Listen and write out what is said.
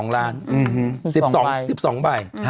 ๑๒ล้าน๑๒ใบ